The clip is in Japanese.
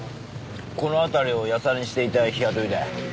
この辺りをヤサにしていた日雇いだ。